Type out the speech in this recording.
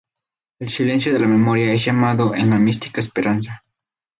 El silencio de la memoria es llamado en la mística esperanza.